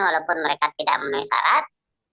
walaupun mereka tidak menuhi syarat